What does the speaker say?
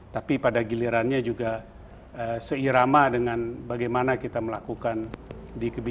tapi pada gilirannya juga seirama dengan bagaimana kita melakukan hal hal yang berbeda